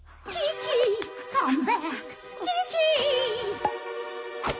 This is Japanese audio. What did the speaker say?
キキ！